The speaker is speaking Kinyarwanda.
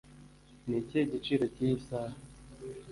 ni ikihe giciro cy'iyi saha?